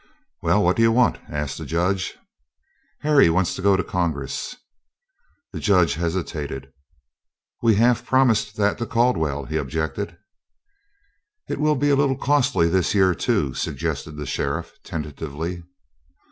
"Well, what do you want?" asked the Judge. "Harry wants to go to Congress." The Judge hesitated. "We'd half promised that to Caldwell," he objected. "It will be a little costly this year, too," suggested the sheriff, tentatively.